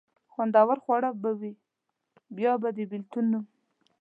خوندور خواړه به وي، بیا به د بېلتون نوم.